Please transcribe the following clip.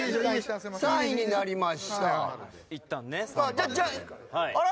じゃああら？